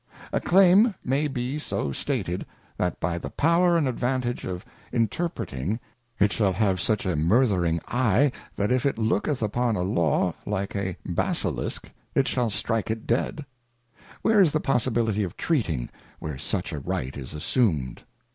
A Claim may be so stated, that by the power and advantage of interpreting, it shall have such a murthering eye, that if it looketh upon a Law, like a Basilisk, it shall strike it dead : Where is the possibility of Treating, where such a Right is assumed